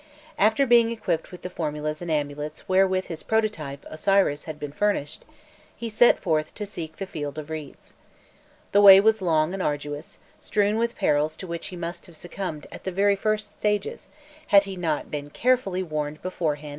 After being equipped with the formulas and amulets wherewith his prototype, Osiris, had been furnished, he set forth to seek the "Field of Reeds." The way was long and arduous, strewn with perils to which he must have succumbed at the very first stages had he not been carefully warned beforehand and armed against them.